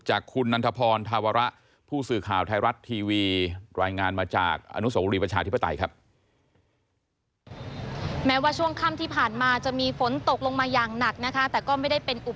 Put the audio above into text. จากคุณนันทพรธาวระผู้สื่อข่าวไทยรัฐทีวี